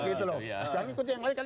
jangan ikutin yang lain